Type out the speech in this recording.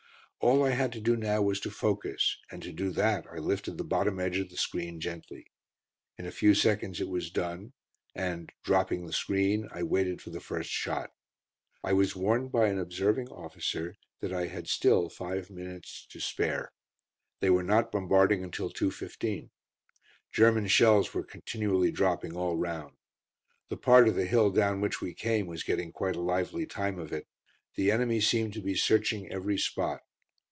All I had to do now was to focus, and to do that I lifted the bottom edge of the screen gently. In a few seconds it was done, and dropping the screen, I waited for the first shot. I was warned by an observing officer that I had still five minutes to spare. They were not bombarding until 2.15. German shells were continually dropping all round. The part of the hill down which we came was getting quite a lively time of it. The enemy seemed to be searching every spot.